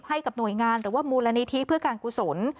ให้กับหน่วยงานหรือว่ามูลนิธิเพื่อการกุศล